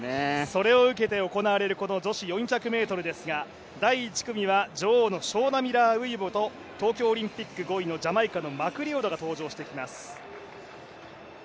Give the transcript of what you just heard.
それを受けて行われる女子４００ｍですが第１組は女王のショウナ・ミラー・ウイボと東京オリンピック５位のジャマイカのマクリオドが登場してきます。